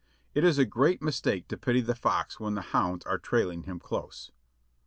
It is a great mistake to pity the fox when the hounds are trailing him close.